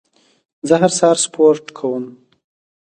زه هر سهار سپورت کوم.